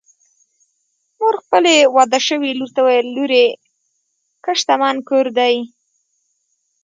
مور خپلې واده شوې لور ته وویل: لورې! ښه شتمن کور دی